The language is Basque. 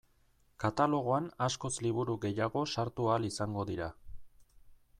Katalogoan askoz liburu gehiago sartu ahal izango dira.